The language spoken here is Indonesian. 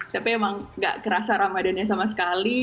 tapi emang gak kerasa ramadannya sama sekali